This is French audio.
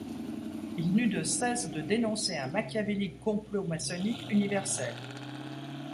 Il n'eut de cesse de dénoncer un machiavélique complot maçonnique universel.